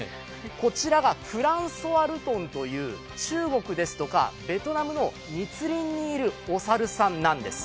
こちらがフランソワルトンという中国ですとかベトナムの密林にいるお猿さんなんです。